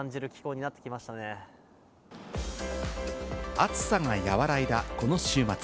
暑さが和らいだこの週末。